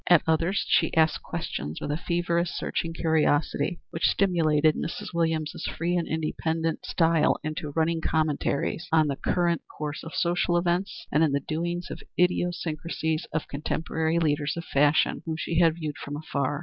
At others she asked questions with a feverish, searching curiosity, which stimulated Mrs. Williams's free and independent style into running commentaries on the current course of social events and the doings and idiosyncracies of contemporary leaders of fashion whom she had viewed from afar.